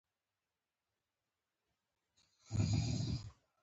وګړي دا پدیدې په اسانۍ عملي کوي